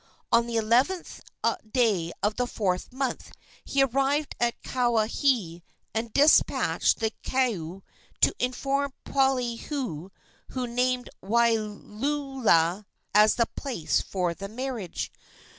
On the 11th day of the fourth month he arrived at Kawaihae, and despatched the koae to inform Poliahu, who named Waiulaula as the place for the marriage.